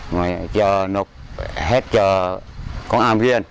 mà chờ nộp hết cho công an viên